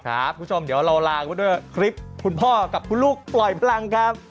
คุณผู้ชมเดี๋ยวเราลางไว้ด้วยคลิปคุณพ่อกับคุณลูกปล่อยพลังครับ